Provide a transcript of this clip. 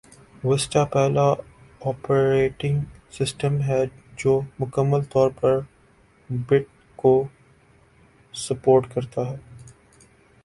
vista پہلا operating system ہے جو مکمل طور پر بٹ کو سپورٹ کرتا ہے